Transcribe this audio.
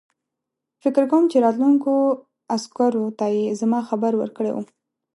فکر کوم چې راتلونکو عسکرو ته یې زما خبر ورکړی وو.